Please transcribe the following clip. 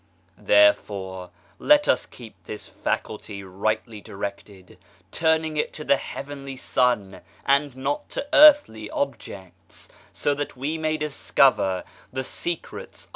Therefore let us keep this faculty rightly directed turning it to the heavenly Sun and not to earthly objects so that we may discover the secrets